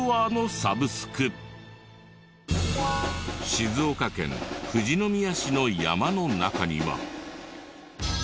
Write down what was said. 静岡県富士宮市の山の中には。